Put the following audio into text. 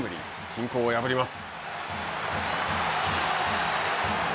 均衡を破ります。